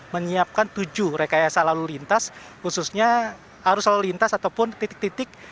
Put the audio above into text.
menyiapkan tujuh rekayasa lalu lintas khususnya arus lalu lintas ataupun titik titik